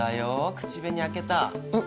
口紅開けたうっ